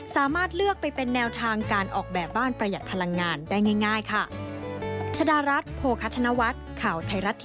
สามารถเลือกไปเป็นแนวทางการออกแบบบ้านประหยัดพลังงานได้ง่ายค่ะ